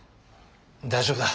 大丈夫だ。